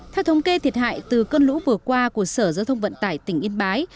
theo thống kê thiệt hại từ cơn lũ vừa qua của sở giao thông vận tải tỉnh yên bái